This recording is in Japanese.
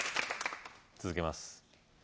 続けます